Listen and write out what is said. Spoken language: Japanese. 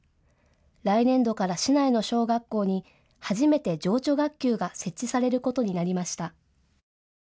来年度から市内の小学校に初めて情緒学級が設置されることになりました。